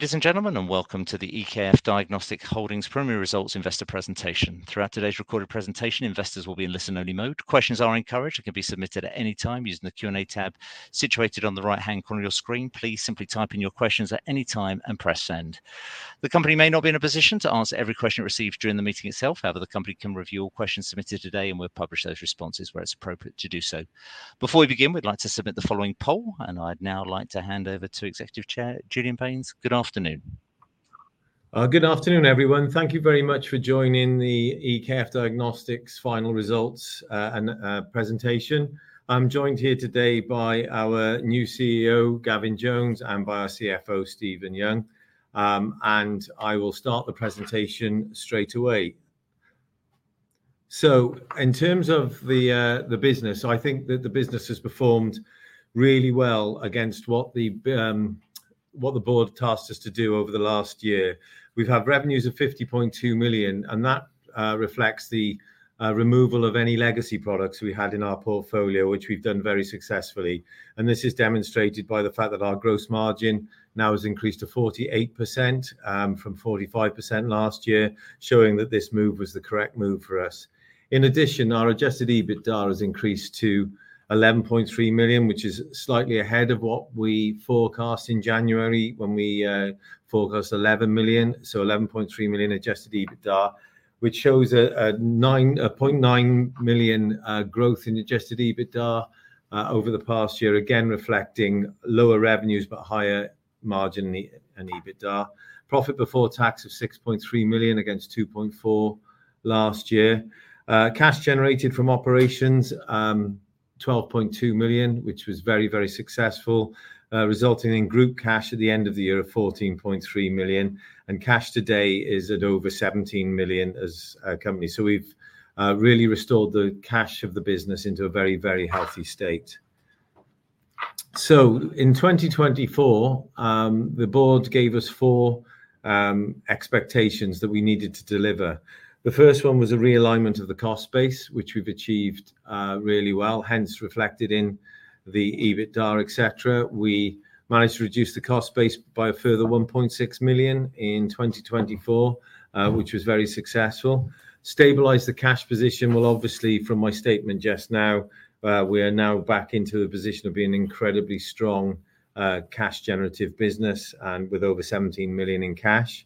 Ladies and gentlemen, and welcome to the EKF Diagnostics Holdings' preliminary results investor presentation. Throughout today's recorded presentation, investors will be in listen-only mode. Questions are encouraged and can be submitted at any time using the Q&A tab situated on the right-hand corner of your screen. Please simply type in your questions at any time and press send. The company may not be in a position to answer every question it receives during the meeting itself. However, the company can review all questions submitted today, and we'll publish those responses where it's appropriate to do so. Before we begin, we'd like to submit the following poll, and I'd now like to hand over to Executive Chair Julian Baines. Good afternoon. Good afternoon, everyone. Thank you very much for joining the EKF Diagnostics final results presentation. I'm joined here today by our new CEO, Gavin Jones, and by our CFO, Stephen Young. I will start the presentation straight away. In terms of the business, I think that the business has performed really well against what the board tasked us to do over the last year. We've had revenues of 50.2 million, and that reflects the removal of any legacy products we had in our portfolio, which we've done very successfully. This is demonstrated by the fact that our gross margin now has increased to 48% from 45% last year, showing that this move was the correct move for us. In addition, our adjusted EBITDA has increased to 11.3 million, which is slightly ahead of what we forecast in January when we forecast 11 million. £11.3 million adjusted EBITDA, which shows a £0.9 million growth in adjusted EBITDA over the past year, again reflecting lower revenues but higher margin and EBITDA. Profit before tax of £6.3 million against £2.4 million last year. Cash generated from operations: £12.2 million, which was very, very successful, resulting in group cash at the end of the year of £14.3 million. Cash today is at over £17 million as a company. We've really restored the cash of the business into a very, very healthy state. In 2024, the board gave us four expectations that we needed to deliver. The first one was a realignment of the cost base, which we've achieved really well, hence reflected in the EBITDA, etc. We managed to reduce the cost base by a further £1.6 million in 2024, which was very successful. Stabilize the cash position. Obviously, from my statement just now, we are now back into the position of being an incredibly strong cash-generative business and with over 17 million in cash.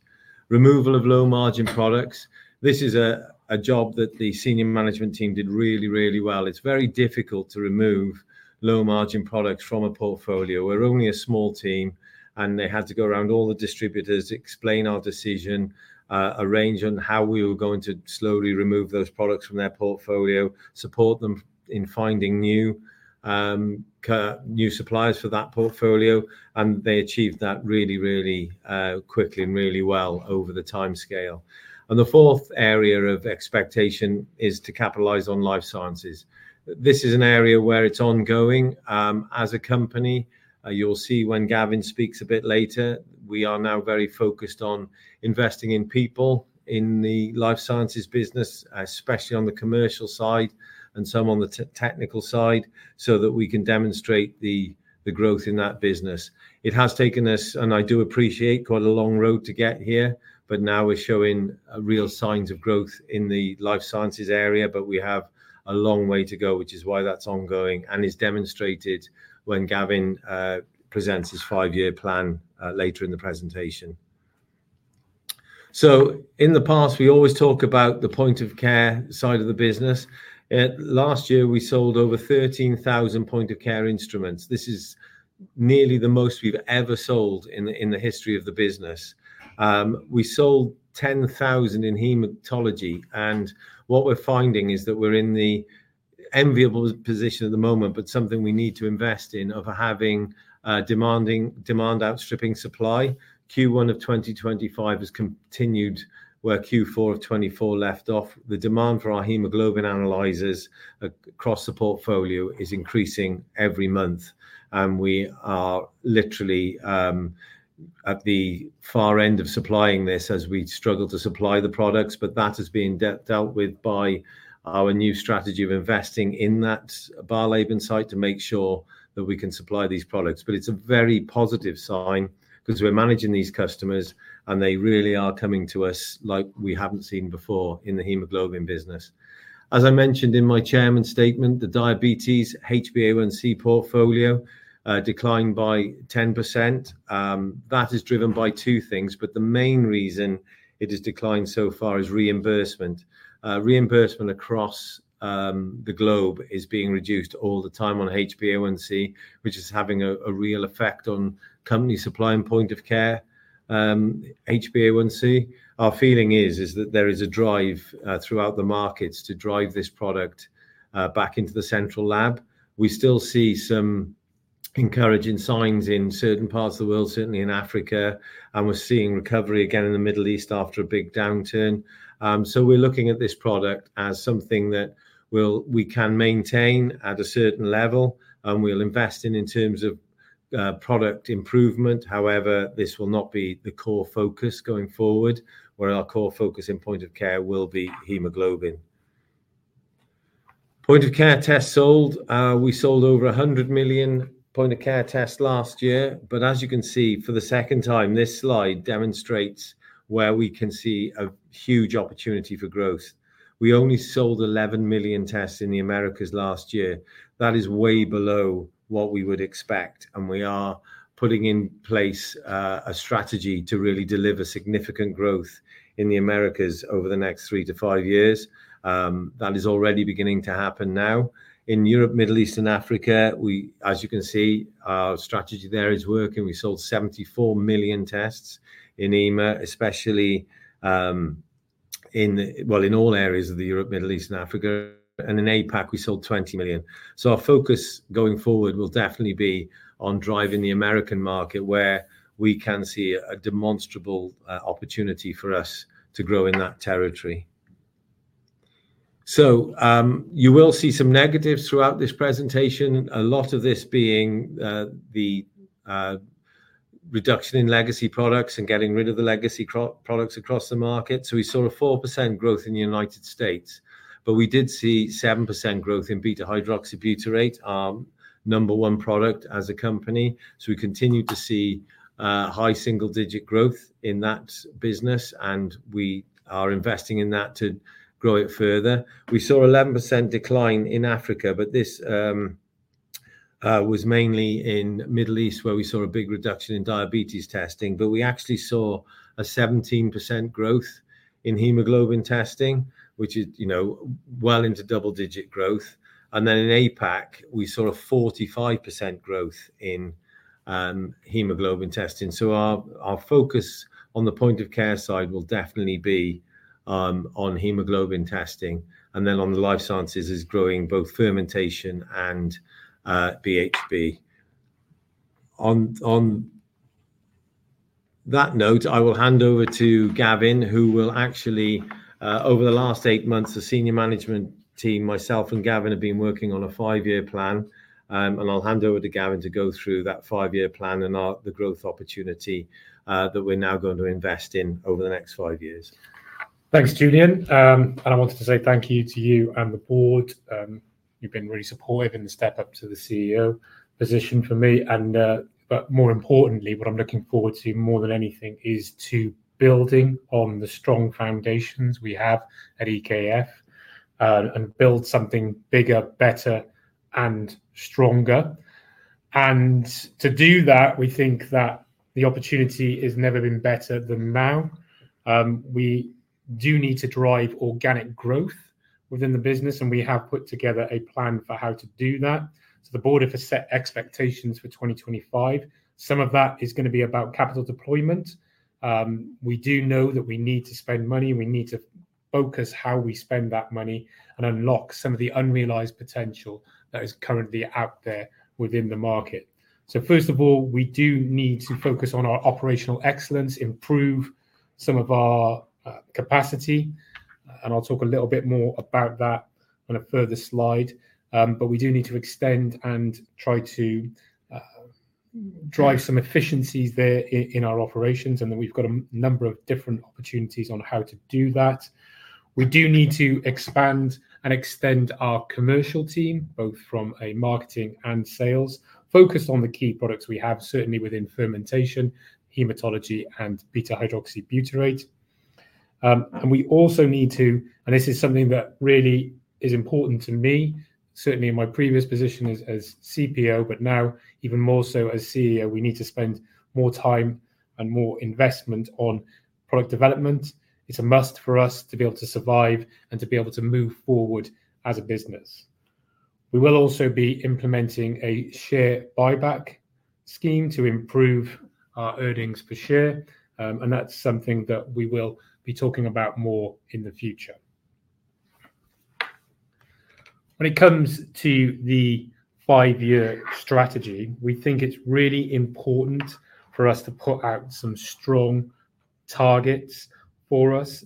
Removal of low-margin products. This is a job that the senior management team did really, really well. It's very difficult to remove low-margin products from a portfolio. We're only a small team, and they had to go around all the distributors, explain our decision, arrange on how we were going to slowly remove those products from their portfolio, support them in finding new suppliers for that portfolio. They achieved that really, really quickly and really well over the time scale. The fourth area of expectation is to capitalize on life sciences. This is an area where it's ongoing as a company. You'll see when Gavin speaks a bit later, we are now very focused on investing in people in the life sciences business, especially on the commercial side and some on the technical side, so that we can demonstrate the growth in that business. It has taken us, and I do appreciate, quite a long road to get here, but now we're showing real signs of growth in the life sciences area. We have a long way to go, which is why that's ongoing and is demonstrated when Gavin presents his five-year plan later in the presentation. In the past, we always talk about the point-of-care side of the business. Last year, we sold over 13,000 point-of-care instruments. This is nearly the most we've ever sold in the history of the business. We sold 10,000 in haematology. What we're finding is that we're in the enviable position at the moment, but something we need to invest in, of having demand outstripping supply. Q1 of 2025 has continued where Q4 of 2024 left off. The demand for our haemoglobin analyzers across the portfolio is increasing every month. We are literally at the far end of supplying this as we struggle to supply the products. That has been dealt with by our new strategy of investing in that Barleben site to make sure that we can supply these products. It is a very positive sign because we're managing these customers, and they really are coming to us like we haven't seen before in the haemoglobin business. As I mentioned in my chairman statement, the diabetes HBA1C portfolio declined by 10%. That is driven by two things, but the main reason it has declined so far is reimbursement. Reimbursement across the globe is being reduced all the time on HBA1C, which is having a real effect on company supply and point-of-care HBA1C. Our feeling is that there is a drive throughout the markets to drive this product back into the central lab. We still see some encouraging signs in certain parts of the world, certainly in Africa. We are seeing recovery again in the Middle East after a big downturn. We are looking at this product as something that we can maintain at a certain level, and we will invest in terms of product improvement. However, this will not be the core focus going forward, where our core focus in point-of-care will be haemoglobin. Point-of-care tests sold. We sold over 100 million point-of-care tests last year. As you can see, for the second time, this slide demonstrates where we can see a huge opportunity for growth. We only sold 11 million tests in the Americas last year. That is way below what we would expect. We are putting in place a strategy to really deliver significant growth in the Americas over the next three to five years. That is already beginning to happen now. In Europe, Middle East, and Africa, as you can see, our strategy there is working. We sold 74 million tests in EMA, especially in, well, in all areas of Europe, Middle East, and Africa. In APAC, we sold 20 million. Our focus going forward will definitely be on driving the American market, where we can see a demonstrable opportunity for us to grow in that territory. You will see some negatives throughout this presentation, a lot of this being the reduction in legacy products and getting rid of the legacy products across the market. We saw 4% growth in the United States, but we did see 7% growth in beta-hydroxybutyrate, our number one product as a company. We continue to see high single-digit growth in that business, and we are investing in that to grow it further. We saw an 11% decline in Africa, but this was mainly in the Middle East, where we saw a big reduction in diabetes testing. We actually saw 17% growth in haemoglobin testing, which is well into double-digit growth. In APAC, we saw 45% growth in haemoglobin testing. Our focus on the point-of-care side will definitely be on haemoglobin testing. On the life sciences, it is growing both fermentation and BHB. On that note, I will hand over to Gavin, who will actually, over the last eight months, the senior management team, myself, and Gavin have been working on a five-year plan. I will hand over to Gavin to go through that five-year plan and the growth opportunity that we're now going to invest in over the next five years. Thanks, Julian. I wanted to say thank you to you and the board. You've been really supportive in the step up to the CEO position for me. More importantly, what I'm looking forward to more than anything is to build on the strong foundations we have at EKF and build something bigger, better, and stronger. To do that, we think that the opportunity has never been better than now. We do need to drive organic growth within the business, and we have put together a plan for how to do that. The board have set expectations for 2025. Some of that is going to be about capital deployment. We do know that we need to spend money. We need to focus on how we spend that money and unlock some of the unrealized potential that is currently out there within the market. First of all, we do need to focus on our operational excellence, improve some of our capacity. I'll talk a little bit more about that on a further slide. We do need to extend and try to drive some efficiencies there in our operations. We have a number of different opportunities on how to do that. We do need to expand and extend our commercial team, both from a marketing and sales, focused on the key products we have, certainly within fermentation, haematology, and beta-hydroxybutyrate. We also need to, and this is something that really is important to me, certainly in my previous position as CPO, but now even more so as CEO, we need to spend more time and more investment on product development. It's a must for us to be able to survive and to be able to move forward as a business. We will also be implementing a share buyback scheme to improve our earnings per share. That's something that we will be talking about more in the future. When it comes to the five-year strategy, we think it's really important for us to put out some strong targets for us.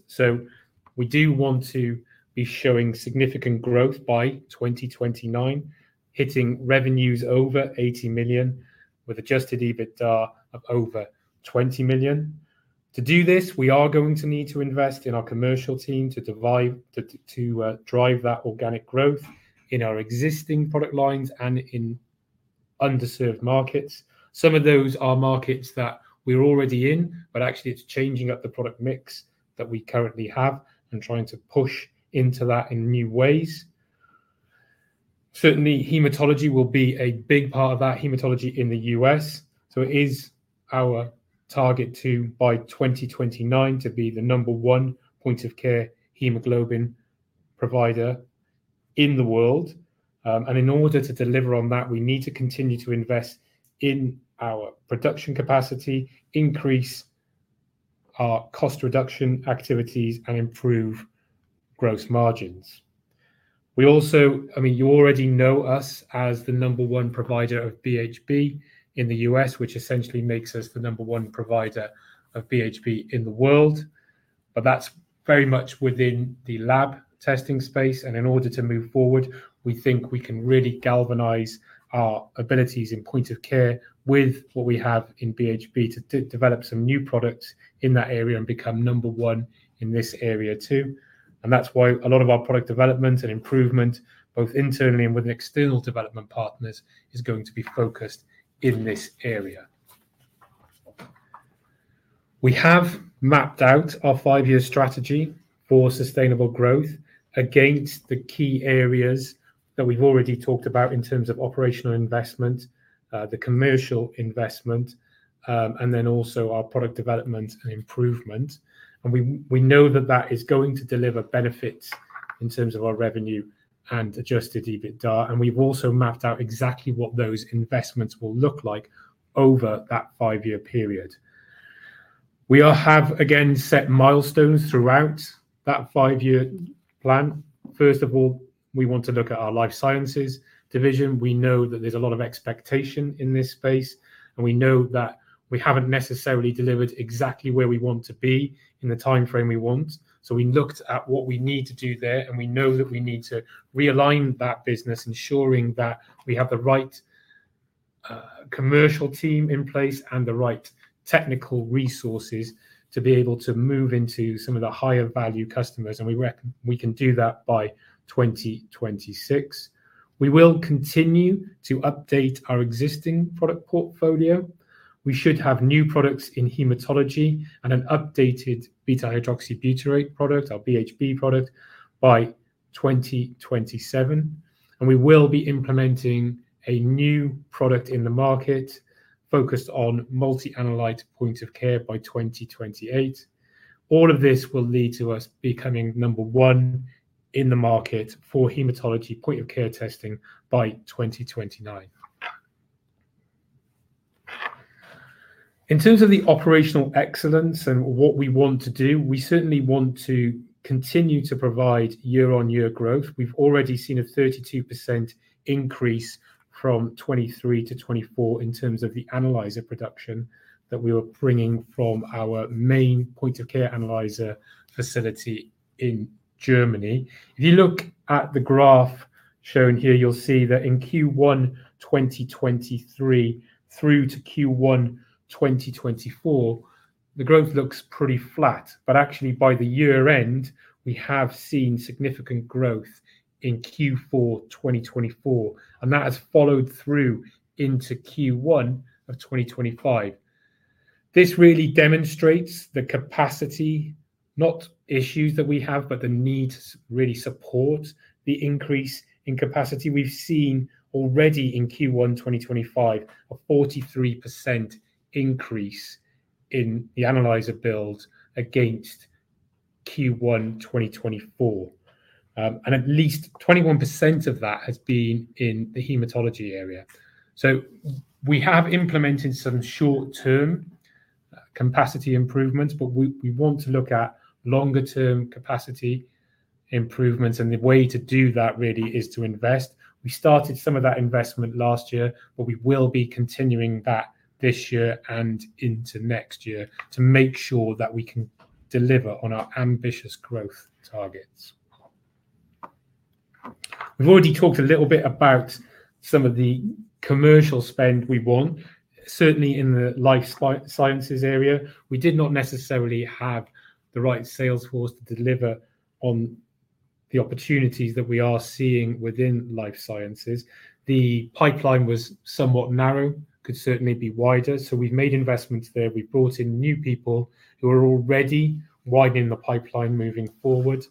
We do want to be showing significant growth by 2029, hitting revenues over 80 million with adjusted EBITDA of over 20 million. To do this, we are going to need to invest in our commercial team to drive that organic growth in our existing product lines and in underserved markets. Some of those are markets that we're already in, but actually, it's changing up the product mix that we currently have and trying to push into that in new ways. Certainly, haematology will be a big part of that, haematology in the U.S. It is our target to, by 2029, be the number one point-of-care haemoglobin provider in the world. In order to deliver on that, we need to continue to invest in our production capacity, increase our cost reduction activities, and improve gross margins. We also, I mean, you already know us as the number one provider of BHB in the U.S., which essentially makes us the number one provider of BHB in the world. That's very much within the lab testing space. In order to move forward, we think we can really galvanize our abilities in point-of-care with what we have in BHB to develop some new products in that area and become number one in this area too. That is why a lot of our product development and improvement, both internally and with external development partners, is going to be focused in this area. We have mapped out our five-year strategy for sustainable growth against the key areas that we've already talked about in terms of operational investment, the commercial investment, and then also our product development and improvement. We know that that is going to deliver benefits in terms of our revenue and adjusted EBITDA. We have also mapped out exactly what those investments will look like over that five-year period. We have, again, set milestones throughout that five-year plan. First of all, we want to look at our life sciences division. We know that there's a lot of expectation in this space, and we know that we haven't necessarily delivered exactly where we want to be in the time frame we want. We looked at what we need to do there, and we know that we need to realign that business, ensuring that we have the right commercial team in place and the right technical resources to be able to move into some of the higher-value customers. We can do that by 2026. We will continue to update our existing product portfolio. We should have new products in haematology and an updated beta-hydroxybutyrate product, our BHB product, by 2027. We will be implementing a new product in the market focused on multi-analyte point-of-care by 2028. All of this will lead to us becoming number one in the market for haematology point-of-care testing by 2029. In terms of the operational excellence and what we want to do, we certainly want to continue to provide year-on-year growth. We've already seen a 32% increase from 2023 to 2024 in terms of the analyzer production that we were bringing from our main point-of-care analyzer facility in Germany. If you look at the graph shown here, you'll see that in Q1 2023 through to Q1 2024, the growth looks pretty flat. Actually, by the year-end, we have seen significant growth in Q4 2024. That has followed through into Q1 of 2025. This really demonstrates the capacity, not issues that we have, but the need to really support the increase in capacity. We've seen already in Q1 2025 a 43% increase in the analyzer build against Q1 2024. At least 21% of that has been in the haematology area. We have implemented some short-term capacity improvements, but we want to look at longer-term capacity improvements. The way to do that really is to invest. We started some of that investment last year, but we will be continuing that this year and into next year to make sure that we can deliver on our ambitious growth targets. We have already talked a little bit about some of the commercial spend we want. Certainly, in the life sciences area, we did not necessarily have the right salesforce to deliver on the opportunities that we are seeing within life sciences. The pipeline was somewhat narrow, could certainly be wider. We have made investments there. We have brought in new people who are already widening the pipeline moving forward.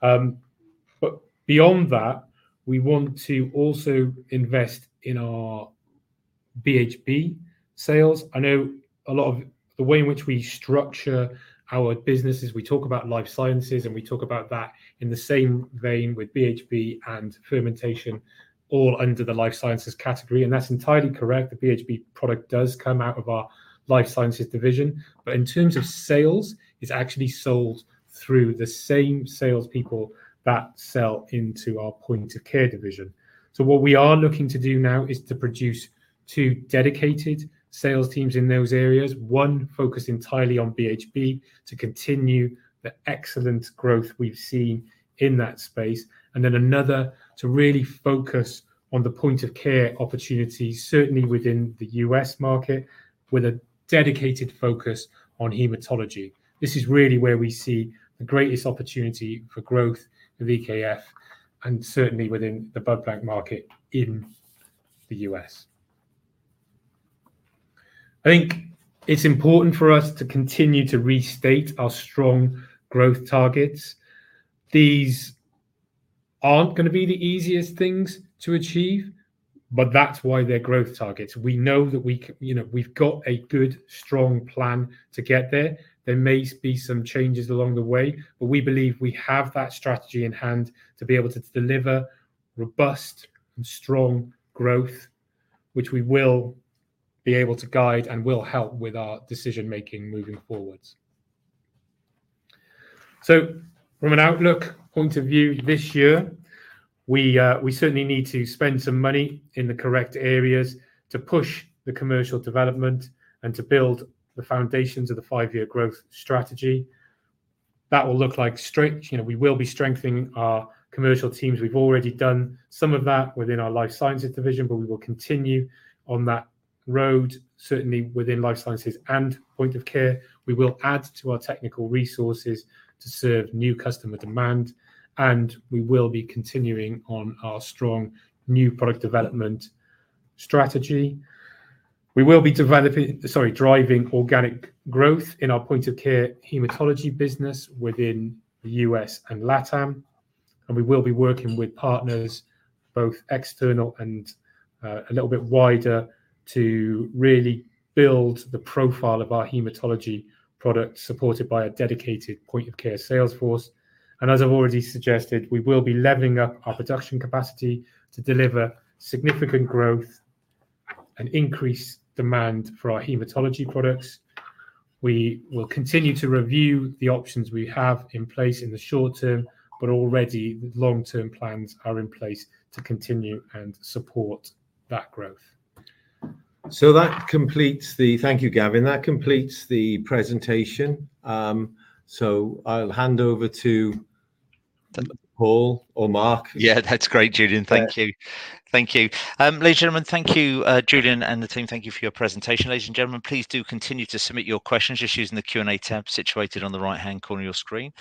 Beyond that, we want to also invest in our BHB sales. I know a lot of the way in which we structure our businesses, we talk about life sciences, and we talk about that in the same vein with BHB and fermentation, all under the life sciences category. That's entirely correct. The BHB product does come out of our life sciences division. In terms of sales, it's actually sold through the same salespeople that sell into our point-of-care division. What we are looking to do now is to produce two dedicated sales teams in those areas, one focused entirely on BHB to continue the excellent growth we've seen in that space, and another to really focus on the point-of-care opportunities, certainly within the U.S. market, with a dedicated focus on haematology. This is really where we see the greatest opportunity for growth with EKF and certainly within the blood bank market in the U.S. I think it's important for us to continue to restate our strong growth targets. These aren't going to be the easiest things to achieve, but that's why they're growth targets. We know that we've got a good, strong plan to get there. There may be some changes along the way, but we believe we have that strategy in hand to be able to deliver robust and strong growth, which we will be able to guide and will help with our decision-making moving forward. From an outlook point of view this year, we certainly need to spend some money in the correct areas to push the commercial development and to build the foundations of the five-year growth strategy. That will look like strict. We will be strengthening our commercial teams. We've already done some of that within our life sciences division, but we will continue on that road, certainly within life sciences and point-of-care. We will add to our technical resources to serve new customer demand. We will be continuing on our strong new product development strategy. We will be driving organic growth in our point-of-care haematology business within the U.S. and LATAM. We will be working with partners, both external and a little bit wider, to really build the profile of our haematology product supported by a dedicated point-of-care salesforce. As I've already suggested, we will be leveling up our production capacity to deliver significant growth and increase demand for our haematology products. We will continue to review the options we have in place in the short term, but already long-term plans are in place to continue and support that growth. Thank you, Gavin. That completes the presentation. I'll hand over to Paul or Mark. Yeah, that's great, Julian. Thank you. Thank you. Ladies and gentlemen, thank you, Julian, and the team. Thank you for your presentation. Ladies and gentlemen, please do continue to submit your questions, just using the Q&A tab situated on the right-hand corner of your screen.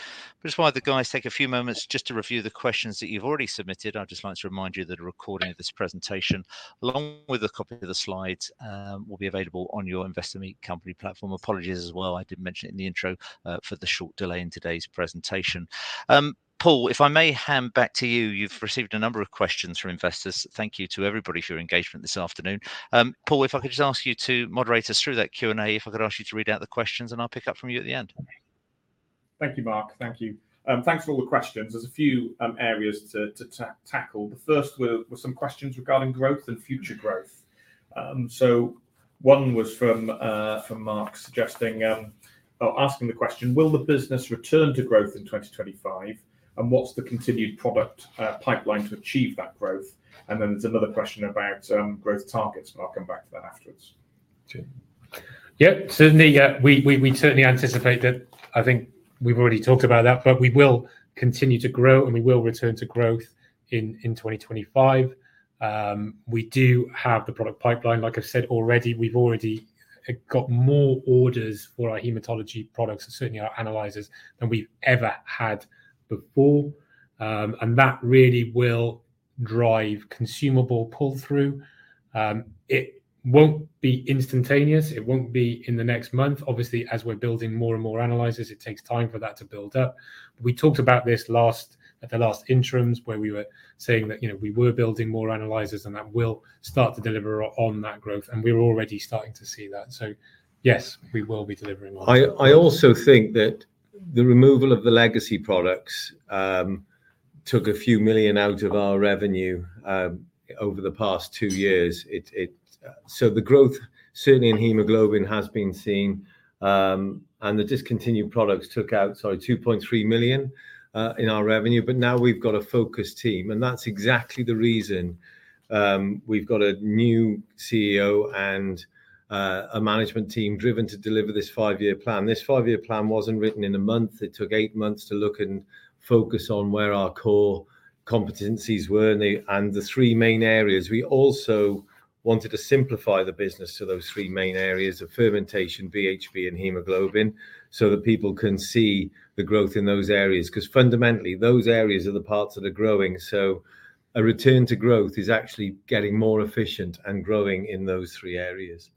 Just while the guys take a few moments to review the questions that you've already submitted, I'd just like to remind you that a recording of this presentation, along with a copy of the slides, will be available on your Investor Meet Company platform. Apologies as well. I did mention it in the intro for the short delay in today's presentation. Paul, if I may hand back to you, you've received a number of questions from investors. Thank you to everybody for your engagement this afternoon. Paul, if I could just ask you to moderate us through that Q&A, if I could ask you to read out the questions, and I'll pick up from you at the end. Thank you, Mark. Thank you. Thanks for all the questions. There's a few areas to tackle. The first were some questions regarding growth and future growth. One was from Mark suggesting or asking the question, will the business return to growth in 2025? What's the continued product pipeline to achieve that growth? There's another question about growth targets. I'll come back to that afterwards. Yeah, certainly, we certainly anticipate that. I think we've already talked about that, but we will continue to grow, and we will return to growth in 2025. We do have the product pipeline. Like I've said already, we've already got more orders for our haematology products, certainly our analyzers, than we've ever had before. That really will drive consumable pull-through. It won't be instantaneous. It won't be in the next month. Obviously, as we're building more and more analyzers, it takes time for that to build up. We talked about this at the last interims where we were saying that we were building more analyzers, and that will start to deliver on that growth. We're already starting to see that. Yes, we will be delivering on that. I also think that the removal of the legacy products took a few million out of our revenue over the past two years. The growth, certainly in haemoglobin, has been seen. The discontinued products took out, sorry, 2.3 million in our revenue. Now we've got a focused team. That's exactly the reason we've got a new CEO and a management team driven to deliver this five-year plan. This five-year plan wasn't written in a month. It took eight months to look and focus on where our core competencies were and the three main areas. We also wanted to simplify the business to those three main areas of fermentation, BHB, and haemoglobin so that people can see the growth in those areas. Because fundamentally, those areas are the parts that are growing. A return to growth is actually getting more efficient and growing in those three areas.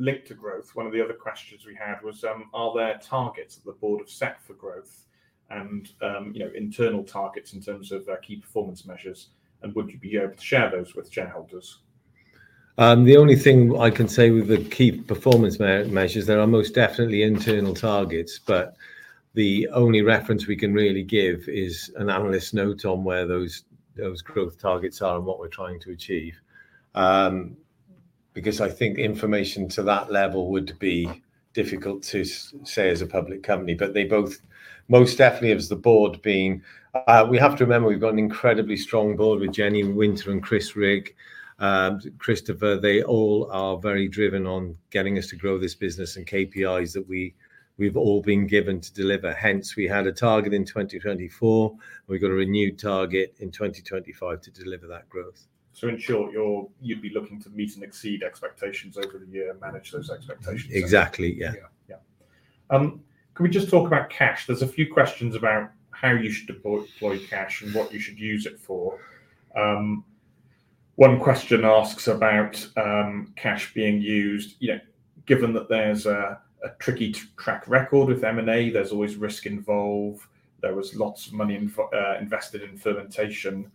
Linked to growth, one of the other questions we had was, are there targets that the board have set for growth and internal targets in terms of key performance measures? Would you be able to share those with shareholders? The only thing I can say with the key performance measures, there are most definitely internal targets. The only reference we can really give is an analyst note on where those growth targets are and what we're trying to achieve. I think information to that level would be difficult to say as a public company. They both, most definitely as the board being, we have to remember we've got an incredibly strong board with Jenny Winter and Chris Rigg, Christopher. They all are very driven on getting us to grow this business and KPIs that we've all been given to deliver. Hence, we had a target in 2024. We've got a renewed target in 2025 to deliver that growth. In short, you'd be looking to meet and exceed expectations over the year and manage those expectations. Exactly, yeah. Yeah, yeah. Can we just talk about cash? There's a few questions about how you should deploy cash and what you should use it for. One question asks about cash being used. Given that there's a tricky track record with M&A, there's always risk involved. There was lots of money invested in fermentation.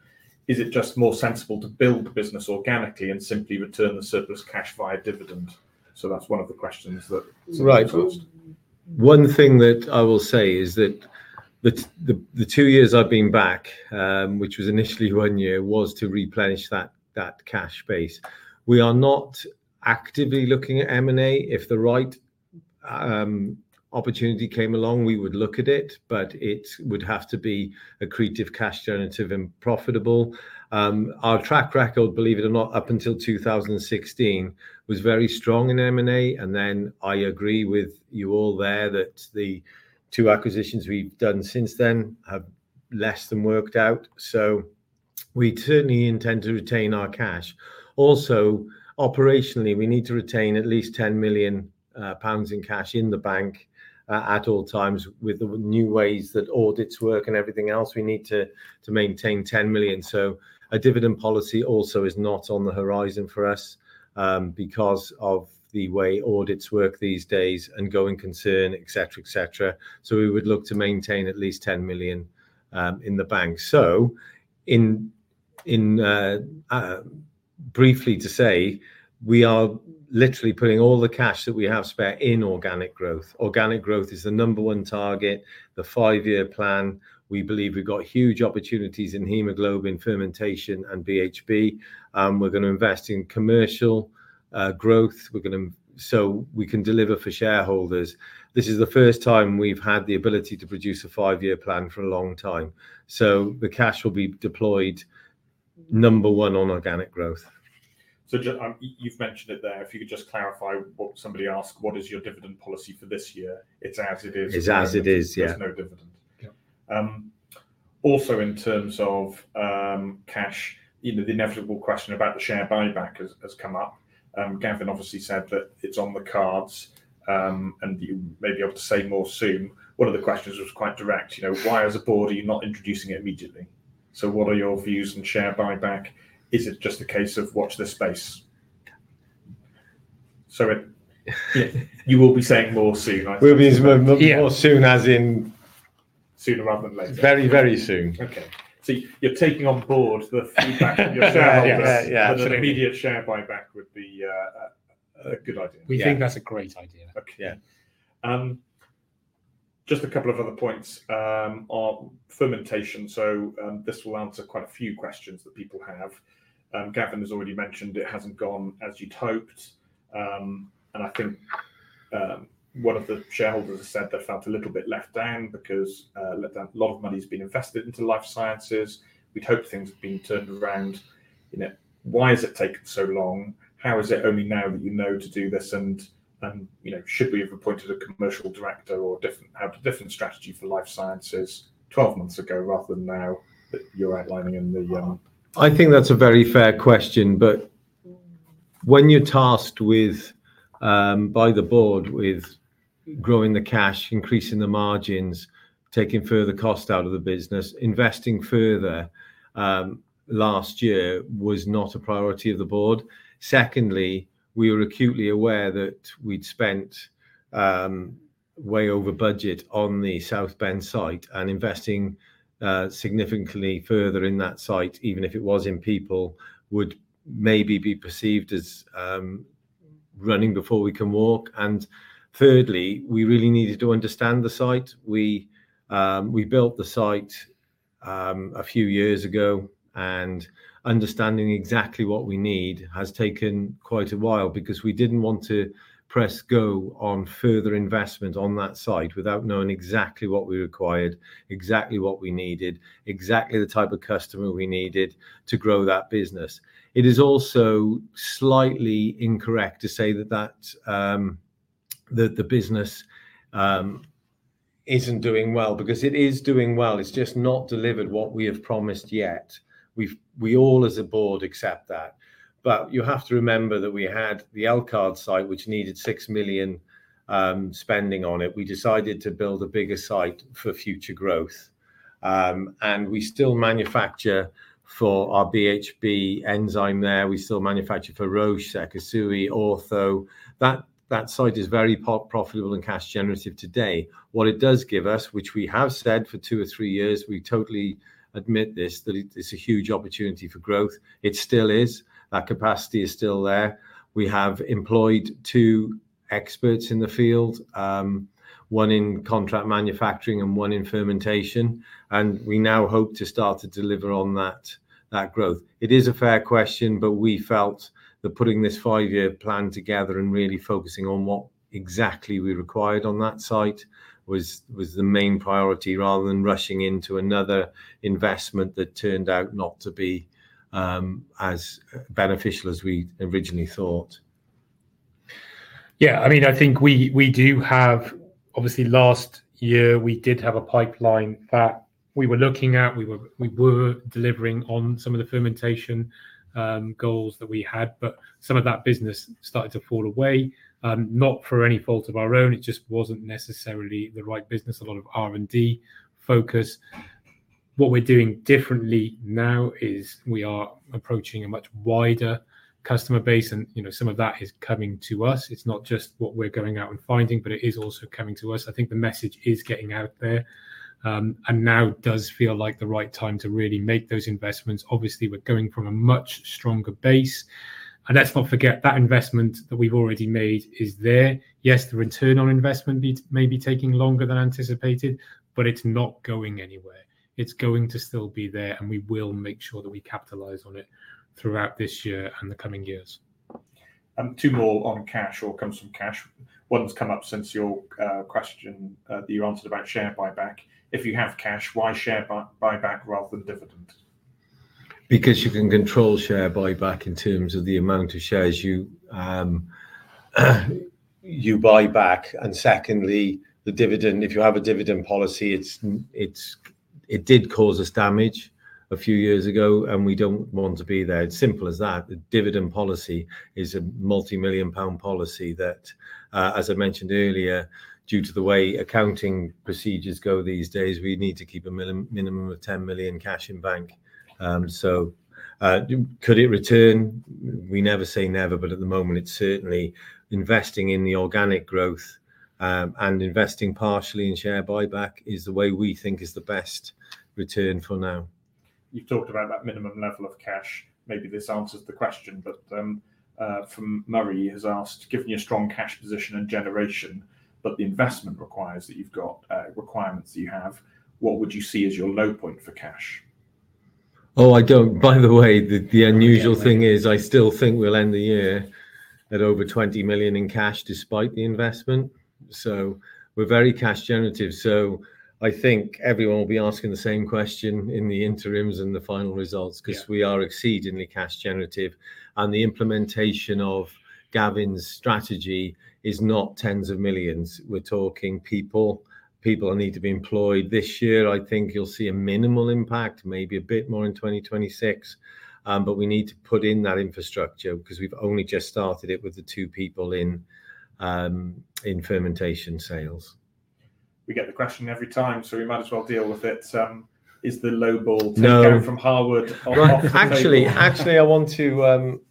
Is it just more sensible to build the business organically and simply return the surplus cash via dividend? That's one of the questions that we've asked. Right. One thing that I will say is that the two years I've been back, which was initially one year, was to replenish that cash base. We are not actively looking at M&A. If the right opportunity came along, we would look at it. It would have to be accretive, cash generative, and profitable. Our track record, believe it or not, up until 2016 was very strong in M&A. I agree with you all there that the two acquisitions we've done since then have less than worked out. We certainly intend to retain our cash. Also, operationally, we need to retain at least 10 million pounds in cash in the bank at all times. With the new ways that audits work and everything else, we need to maintain 10 million. A dividend policy also is not on the horizon for us because of the way audits work these days and going concern, etc., etc. We would look to maintain at least 10 million in the bank. Briefly to say, we are literally putting all the cash that we have spent in organic growth. Organic growth is the number one target, the five-year plan. We believe we've got huge opportunities in haemoglobin, fermentation, and BHB. We're going to invest in commercial growth so we can deliver for shareholders. This is the first time we've had the ability to produce a five-year plan for a long time. The cash will be deployed number one on organic growth. You've mentioned it there. If you could just clarify what somebody asked, what is your dividend policy for this year? It's as it is. It's as it is, yeah. There's no dividend. Also in terms of cash, the inevitable question about the share buyback has come up. Gavin obviously said that it's on the cards and you may be able to say more soon. One of the questions was quite direct. Why as a board are you not introducing it immediately? What are your views on share buyback? Is it just a case of watch this space? You will be saying more soon. More soon as in. Sooner rather than later. Very, very soon. Okay. You're taking on board the feedback from your shareholders. Yeah, yeah. That immediate share buyback would be a good idea. We think that's a great idea. Okay. Just a couple of other points are fermentation. This will answer quite a few questions that people have. Gavin has already mentioned it has not gone as you'd hoped. I think one of the shareholders has said they felt a little bit let down because a lot of money has been invested into life sciences. We'd hoped things had been turned around. Why has it taken so long? How is it only now that you know to do this? Should we have appointed a commercial director or a different strategy for life sciences 12 months ago rather than now that you're outlining in the. I think that's a very fair question. When you're tasked by the board with growing the cash, increasing the margins, taking further cost out of the business, investing further last year was not a priority of the board. Secondly, we were acutely aware that we'd spent way over budget on the South Bend site. Investing significantly further in that site, even if it was in people, would maybe be perceived as running before we can walk. Thirdly, we really needed to understand the site. We built the site a few years ago. Understanding exactly what we need has taken quite a while because we didn't want to press go on further investment on that site without knowing exactly what we required, exactly what we needed, exactly the type of customer we needed to grow that business. It is also slightly incorrect to say that the business isn't doing well because it is doing well. It's just not delivered what we have promised yet. We all as a board accept that. You have to remember that we had the Elkhart site, which needed 6 million spending on it. We decided to build a bigger site for future growth. We still manufacture for our BHB enzyme there. We still manufacture for Roche, Asahi Kasei, Ortho Clinical Diagnostics. That site is very profitable and cash generative today. What it does give us, which we have said for two or three years, we totally admit this, that it's a huge opportunity for growth. It still is. That capacity is still there. We have employed two experts in the field, one in contract manufacturing and one in fermentation. We now hope to start to deliver on that growth. It is a fair question, but we felt that putting this five-year plan together and really focusing on what exactly we required on that site was the main priority rather than rushing into another investment that turned out not to be as beneficial as we originally thought. Yeah, I mean, I think we do have, obviously, last year, we did have a pipeline that we were looking at. We were delivering on some of the fermentation goals that we had. Some of that business started to fall away, not for any fault of our own. It just was not necessarily the right business, a lot of R&D focus. What we are doing differently now is we are approaching a much wider customer base. Some of that is coming to us. It is not just what we are going out and finding, but it is also coming to us. I think the message is getting out there. Now does feel like the right time to really make those investments. Obviously, we are going from a much stronger base. Let's not forget that investment that we have already made is there. Yes, the return on investment may be taking longer than anticipated, but it's not going anywhere. It's going to still be there. And we will make sure that we capitalize on it throughout this year and the coming years. Two more on cash or comes from cash. One's come up since your question that you answered about share buyback. If you have cash, why share buyback rather than dividend? Because you can control share buyback in terms of the amount of shares you buy back. Secondly, the dividend, if you have a dividend policy, it did cause us damage a few years ago. We do not want to be there. It is simple as that. The dividend policy is a multi-million GBP policy that, as I mentioned earlier, due to the way accounting procedures go these days, we need to keep a minimum of 10 million cash in bank. Could it return? We never say never. At the moment, certainly investing in the organic growth and investing partially in share buyback is the way we think is the best return for now. You've talked about that minimum level of cash. Maybe this answers the question. From Murray, he has asked, given your strong cash position and generation, but the investment requires that you've got requirements that you have, what would you see as your low point for cash? Oh, I don't. By the way, the unusual thing is I still think we'll end the year at over 20 million in cash despite the investment. We are very cash generative. I think everyone will be asking the same question in the interims and the final results because we are exceedingly cash generative. The implementation of Gavin's strategy is not tens of millions. We're talking people. People need to be employed. This year, I think you'll see a minimal impact, maybe a bit more in 2026. We need to put in that infrastructure because we've only just started it with the two people in fermentation sales. We get the question every time. We might as well deal with it. Is the low ball going from Harwood off? Actually, I want to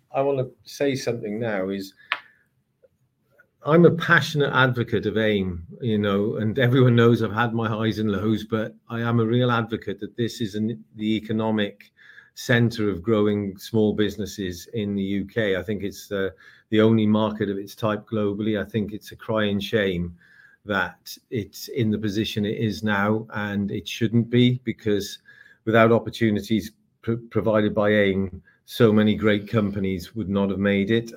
say something now is I'm a passionate advocate of AIM. Everyone knows I've had my highs and lows. I am a real advocate that this is the economic center of growing small businesses in the U.K. I think it's the only market of its type globally. I think it's a crying shame that it's in the position it is now. It shouldn't be because without opportunities provided by AIM, so many great companies would not have made it.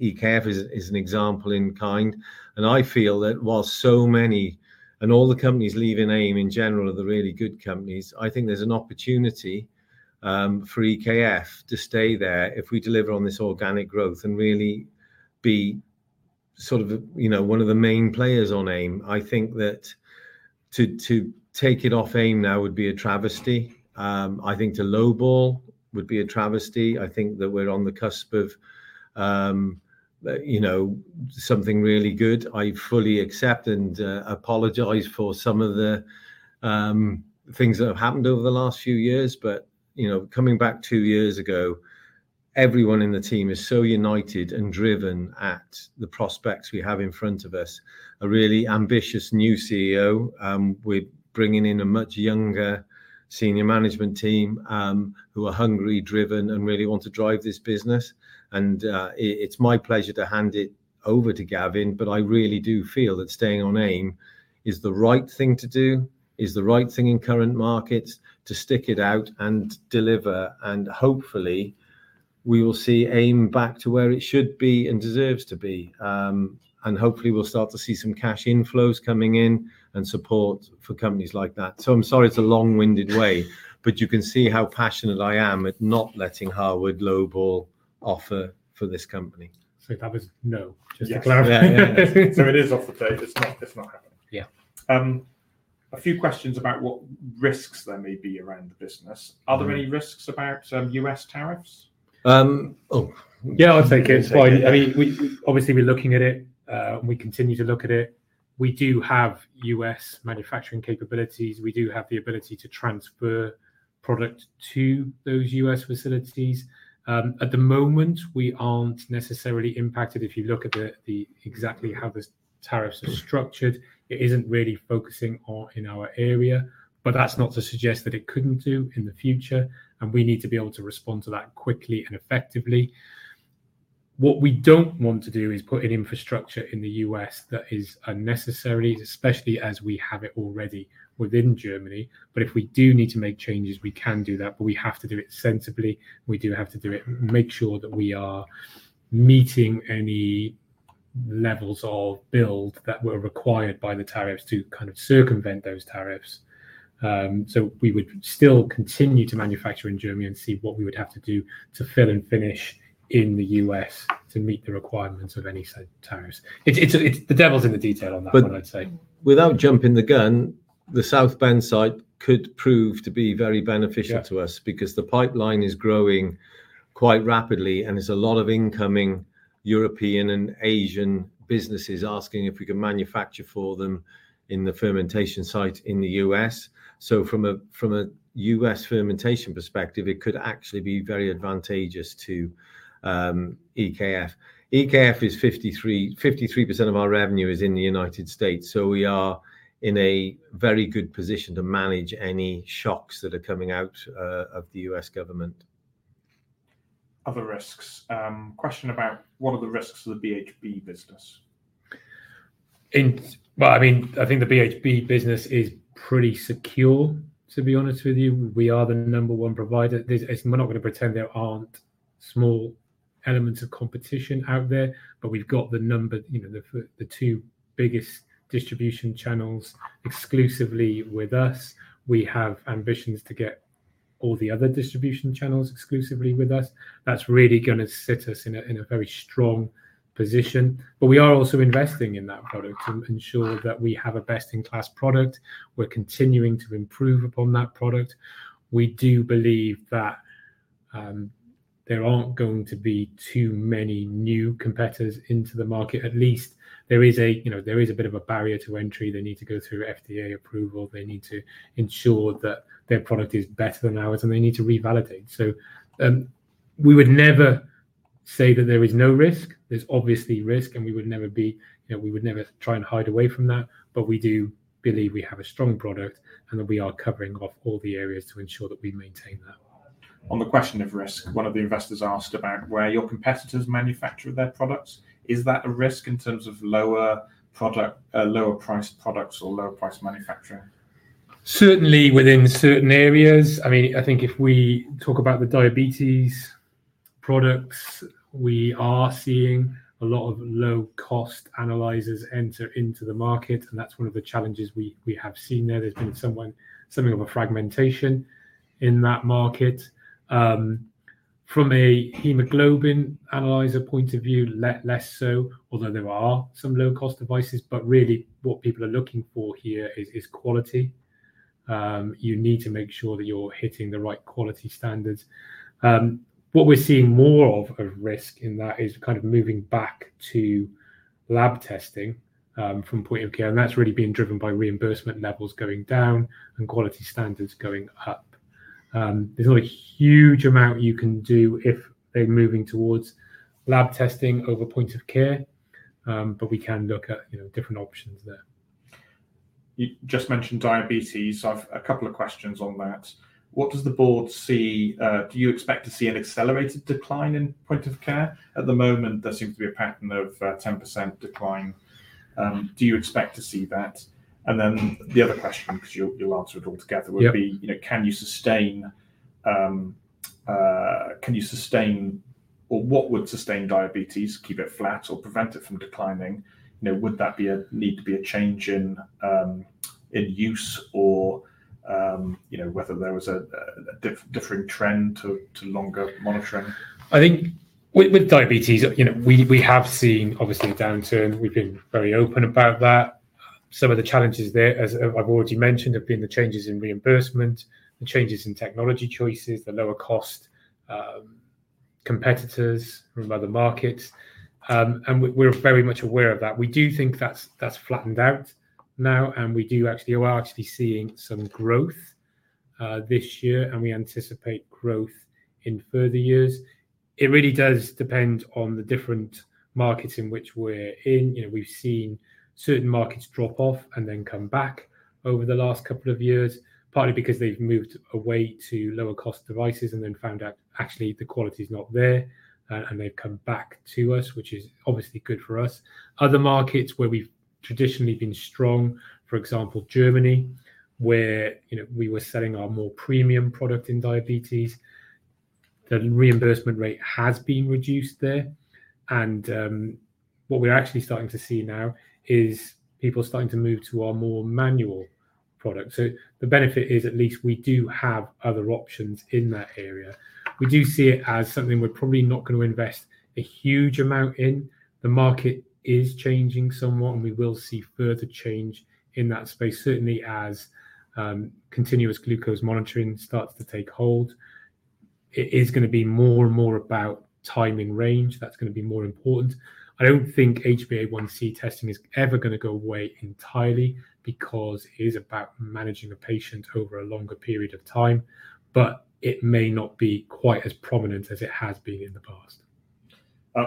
EKF is an example in kind. I feel that while so many and all the companies leaving AIM in general are the really good companies, I think there's an opportunity for EKF to stay there if we deliver on this organic growth and really be sort of one of the main players on AIM. I think that to take it off AIM now would be a travesty. I think to low ball would be a travesty. I think that we're on the cusp of something really good. I fully accept and apologize for some of the things that have happened over the last few years. Coming back two years ago, everyone in the team is so united and driven at the prospects we have in front of us. A really ambitious new CEO. We're bringing in a much younger senior management team who are hungry, driven, and really want to drive this business. It is my pleasure to hand it over to Gavin. I really do feel that staying on AIM is the right thing to do, is the right thing in current markets to stick it out and deliver. Hopefully, we will see aim back to where it should be and deserves to be. Hopefully, we'll start to see some cash inflows coming in and support for companies like that. I'm sorry it's a long-winded way. You can see how passionate I am at not letting Harvard low ball offer for this company. That was no, just to clarify. It is off the table. It's not happening. Yeah. A few questions about what risks there may be around the business. Are there any risks about U.S. tariffs? Oh, yeah, I'll take it. I mean, obviously, we're looking at it. We continue to look at it. We do have U.S. manufacturing capabilities. We do have the ability to transfer product to those U.S. facilities. At the moment, we aren't necessarily impacted if you look at exactly how the tariffs are structured. It isn't really focusing in our area. That is not to suggest that it couldn't do in the future. We need to be able to respond to that quickly and effectively. What we don't want to do is put in infrastructure in the U.S. that is unnecessary, especially as we have it already within Germany. If we do need to make changes, we can do that. We have to do it sensibly. We do have to do it and make sure that we are meeting any levels of build that were required by the tariffs to kind of circumvent those tariffs. We would still continue to manufacture in Germany and see what we would have to do to fill and finish in the U.S. to meet the requirements of any tariffs. The devil's in the detail on that one, I'd say. Without jumping the gun, the South Bend site could prove to be very beneficial to us because the pipeline is growing quite rapidly. There's a lot of incoming European and Asian businesses asking if we can manufacture for them in the fermentation site in the U.S. From a U.S. fermentation perspective, it could actually be very advantageous to EKF. EKF is 53% of our revenue is in the United States. We are in a very good position to manage any shocks that are coming out of the U.S. government. Other risks. Question about what are the risks of the BHB business? I mean, I think the BHB business is pretty secure, to be honest with you. We are the number one provider. We're not going to pretend there aren't small elements of competition out there. We've got the number, the two biggest distribution channels exclusively with us. We have ambitions to get all the other distribution channels exclusively with us. That's really going to set us in a very strong position. We are also investing in that product to ensure that we have a best-in-class product. We're continuing to improve upon that product. We do believe that there aren't going to be too many new competitors into the market. At least there is a bit of a barrier to entry. They need to go through FDA approval. They need to ensure that their product is better than ours. They need to revalidate. We would never say that there is no risk. There's obviously risk. We would never try and hide away from that. We do believe we have a strong product and that we are covering off all the areas to ensure that we maintain that. On the question of risk, one of the investors asked about where your competitors manufacture their products. Is that a risk in terms of lower price products or lower price manufacturing? Certainly within certain areas. I mean, I think if we talk about the diabetes products, we are seeing a lot of low-cost analyzers enter into the market. That is one of the challenges we have seen there. There has been something of a fragmentation in that market. From a hemoglobin analyzer point of view, less so, although there are some low-cost devices. Really, what people are looking for here is quality. You need to make sure that you're hitting the right quality standards. What we're seeing more of a risk in is kind of moving back to lab testing from point of care. That is really being driven by reimbursement levels going down and quality standards going up. There is not a huge amount you can do if they are moving towards lab testing over point of care. We can look at different options there. You just mentioned diabetes. I have a couple of questions on that. What does the board see? Do you expect to see an accelerated decline in point of care? At the moment, there seems to be a pattern of 10% decline. Do you expect to see that? The other question, because you'll answer it all together, would be, can you sustain or what would sustain diabetes, keep it flat, or prevent it from declining? Would that need to be a change in use or whether there was a differing trend to longer monitoring? I think with diabetes, we have seen, obviously, a downturn. We've been very open about that. Some of the challenges there, as I've already mentioned, have been the changes in reimbursement, the changes in technology choices, the lower-cost competitors from other markets. We're very much aware of that. We do think that's flattened out now. We are actually seeing some growth this year. We anticipate growth in further years. It really does depend on the different markets in which we're in. We've seen certain markets drop off and then come back over the last couple of years, partly because they've moved away to lower-cost devices and then found out, actually, the quality is not there. They've come back to us, which is obviously good for us. Other markets where we've traditionally been strong, for example, Germany, where we were selling our more premium product in diabetes, the reimbursement rate has been reduced there. What we're actually starting to see now is people starting to move to our more manual products. The benefit is at least we do have other options in that area. We do see it as something we're probably not going to invest a huge amount in. The market is changing somewhat. We will see further change in that space, certainly as continuous glucose monitoring starts to take hold. It is going to be more and more about timing range. That's going to be more important. I don't think HBA1C testing is ever going to go away entirely because it is about managing a patient over a longer period of time. It may not be quite as prominent as it has been in the past.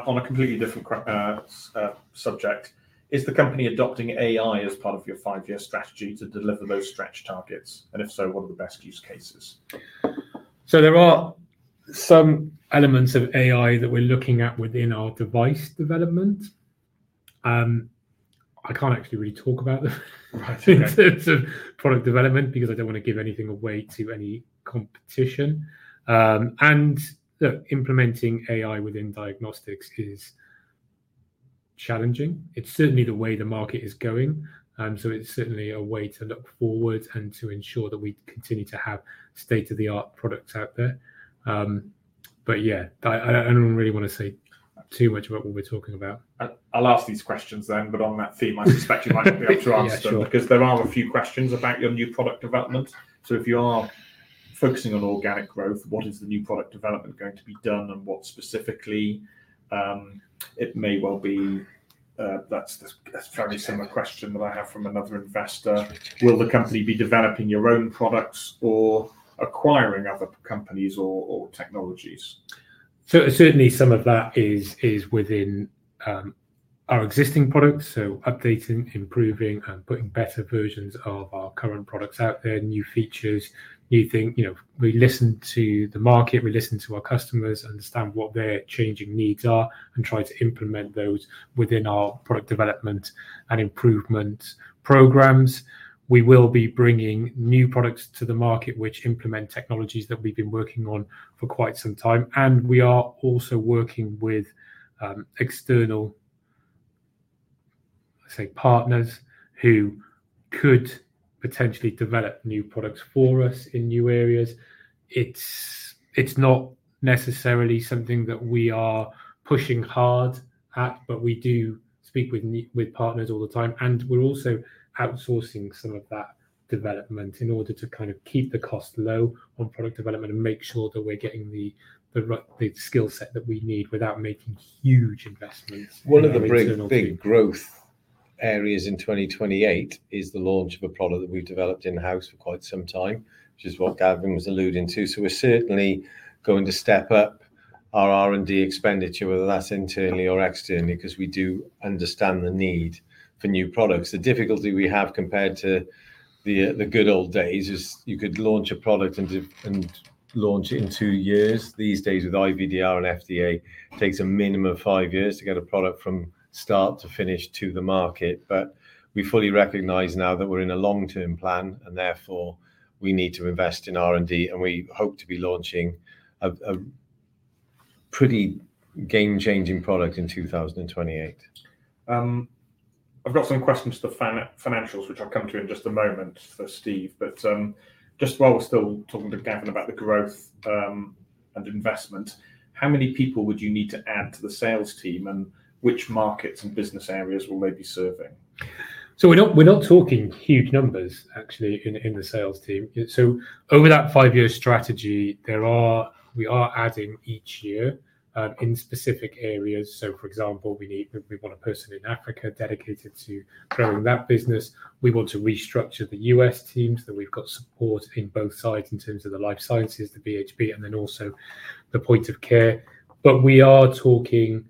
On a completely different subject, is the company adopting AI as part of your five-year strategy to deliver those stretch targets? If so, what are the best use cases? There are some elements of AI that we're looking at within our device development. I can't actually really talk about them in terms of product development because I don't want to give anything away to any competition. Implementing AI within diagnostics is challenging. It's certainly the way the market is going. It's certainly a way to look forward and to ensure that we continue to have state-of-the-art products out there. Yeah, I don't really want to say too much about what we're talking about. I'll ask these questions then. On that theme, I suspect you might not be able to answer them because there are a few questions about your new product development. If you are focusing on organic growth, what is the new product development going to be done and what specifically? It may well be that's a fairly similar question that I have from another investor. Will the company be developing your own products or acquiring other companies or technologies? Certainly, some of that is within our existing products. Updating, improving, and putting better versions of our current products out there, new features, new things. We listen to the market. We listen to our customers, understand what their changing needs are, and try to implement those within our product development and improvement programs. We will be bringing new products to the market which implement technologies that we've been working on for quite some time. We are also working with external, I'd say, partners who could potentially develop new products for us in new areas. It's not necessarily something that we are pushing hard at. We do speak with partners all the time. We're also outsourcing some of that development in order to kind of keep the cost low on product development and make sure that we're getting the skill set that we need without making huge investments. One of the big growth areas in 2028 is the launch of a product that we've developed in-house for quite some time, which is what Gavin was alluding to. We are certainly going to step up our R&D expenditure, whether that's internally or externally, because we do understand the need for new products. The difficulty we have compared to the good old days is you could launch a product and launch it in two years. These days, with IVDR and FDA, it takes a minimum of five years to get a product from start to finish to the market. We fully recognize now that we're in a long-term plan. Therefore, we need to invest in R&D. We hope to be launching a pretty game-changing product in 2028. I've got some questions for the financials, which I'll come to in just a moment for Steve. Just while we're still talking to Gavin about the growth and investment, how many people would you need to add to the sales team? Which markets and business areas will they be serving? We're not talking huge numbers, actually, in the sales team. Over that five-year strategy, we are adding each year in specific areas. For example, we want a person in Africa dedicated to growing that business. We want to restructure the U.S. teams so that we've got support on both sides in terms of the life sciences, the BHB, and then also the point of care. We are talking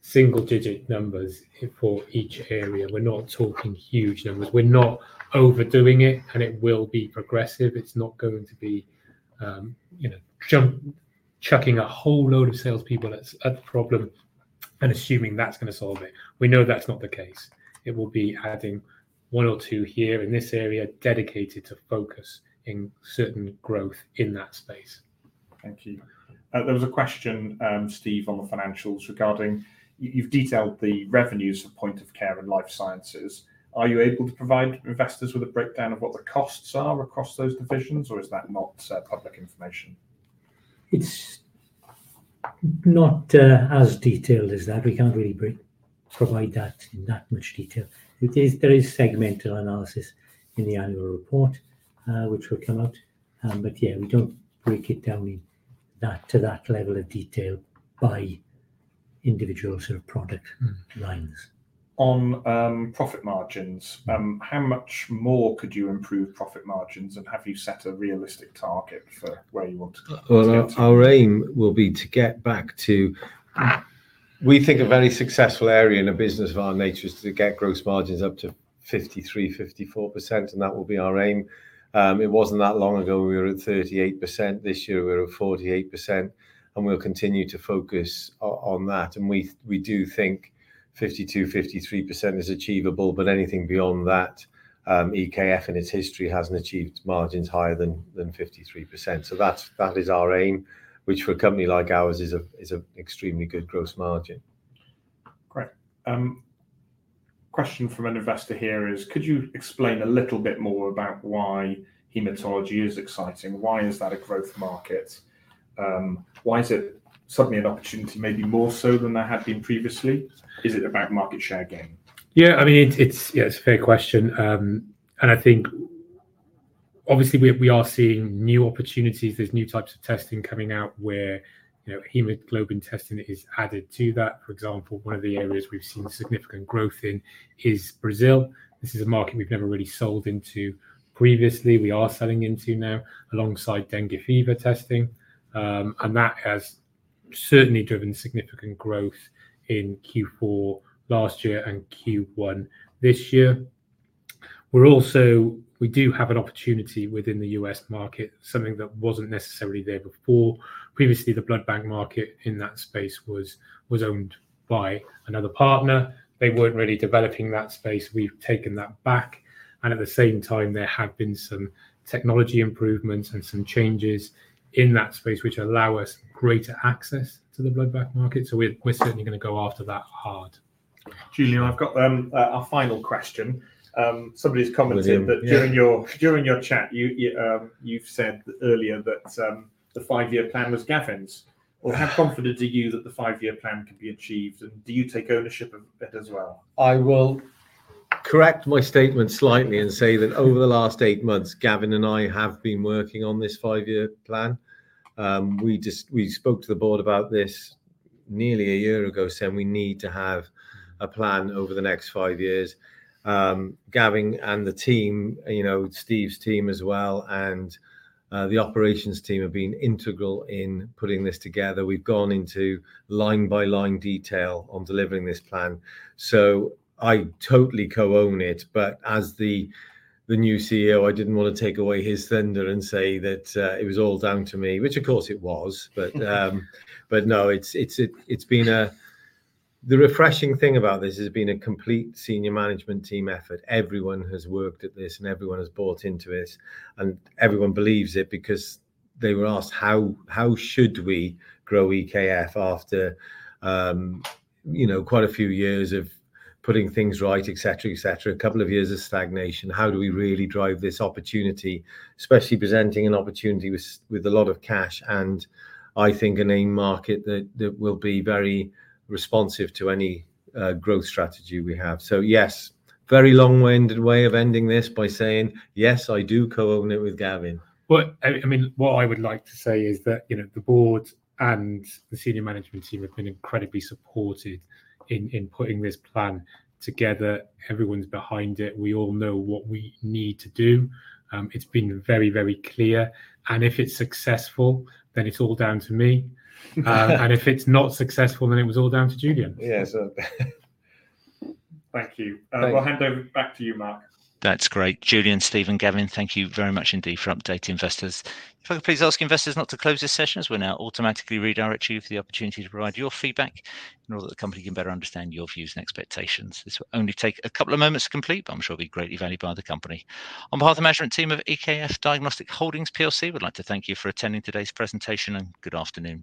single-digit numbers for each area. We're not talking huge numbers. We're not overdoing it. It will be progressive. It's not going to be chucking a whole load of salespeople at the problem and assuming that's going to solve it. We know that's not the case. It will be adding one or two here in this area dedicated to focus in certain growth in that space. Thank you. There was a question, Steve, on the financials regarding you've detailed the revenues for point of care and life sciences. Are you able to provide investors with a breakdown of what the costs are across those divisions? Or is that not public information? It's not as detailed as that. We can't really provide that in that much detail. There is segmental analysis in the annual report, which will come out. Yeah, we don't break it down to that level of detail by individual sort of product lines. On profit margins, how much more could you improve profit margins? Have you set a realistic target for where you want to go? Our aim will be to get back to we think a very successful area in a business of our nature is to get gross margins up to 53%-54%. That will be our aim. It was not that long ago, we were at 38%. This year, we are at 48%. We will continue to focus on that. We do think 52%-53% is achievable. Anything beyond that, EKF in its history has not achieved margins higher than 53%. That is our aim, which for a company like ours is an extremely good gross margin. Great. Question from an investor here is, could you explain a little bit more about why haematology is exciting? Why is that a growth market? Why is it suddenly an opportunity, maybe more so than there had been previously? Is it about market share gain? Yeah. I mean, yeah, it's a fair question. I think, obviously, we are seeing new opportunities. There's new types of testing coming out where hemoglobin testing is added to that. For example, one of the areas we've seen significant growth in is Brazil. This is a market we've never really sold into previously. We are selling into now alongside dengue fever testing. That has certainly driven significant growth in Q4 last year and Q1 this year. We do have an opportunity within the U.S. market, something that wasn't necessarily there before. Previously, the blood bank market in that space was owned by another partner. They weren't really developing that space. We've taken that back. At the same time, there have been some technology improvements and some changes in that space which allow us greater access to the blood bank market. We're certainly going to go after that hard. Julian, I've got a final question. Somebody's commented that during your chat, you've said earlier that the five-year plan was Gavin's. How confident are you that the five-year plan can be achieved? And do you take ownership of it as well? I will correct my statement slightly and say that over the last eight months, Gavin and I have been working on this five-year plan. We spoke to the board about this nearly a year ago, saying we need to have a plan over the next five years. Gavin and the team, Steve's team as well, and the operations team have been integral in putting this together. We have gone into line-by-line detail on delivering this plan. I totally co-own it. As the new CEO, I did not want to take away his thunder and say that it was all down to me, which of course it was. No, the refreshing thing about this has been a complete senior management team effort. Everyone has worked at this. Everyone has bought into it. Everyone believes it because they were asked, how should we grow EKF after quite a few years of putting things right, etc., etc., a couple of years of stagnation? How do we really drive this opportunity, especially presenting an opportunity with a lot of cash and, I think, an aim market that will be very responsive to any growth strategy we have? Yes, very long-winded way of ending this by saying, yes, I do co-own it with Gavin. I mean, what I would like to say is that the board and the senior management team have been incredibly supported in putting this plan together. Everyone's behind it. We all know what we need to do. It's been very, very clear. If it's successful, then it's all down to me. If it's not successful, then it was all down to Julian. Yeah. Thank you. We'll hand over back to you, Mark. That's great. Julian, Steve, and Gavin, thank you very much indeed for updating investors. If I could please ask investors not to close this session as we'll now automatically redirect you for the opportunity to provide your feedback in order that the company can better understand your views and expectations. This will only take a couple of moments to complete, but I'm sure it'll be greatly valued by the company. On behalf of the management team of EKF Diagnostics Holdings, we'd like to thank you for attending today's presentation. Good afternoon.